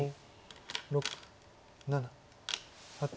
６７８。